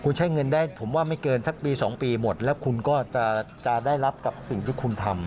คุณใช้เงินได้ผมว่าไม่เกินสักปี๒ปีหมดแล้วคุณก็จะได้รับกับสิ่งที่คุณทำ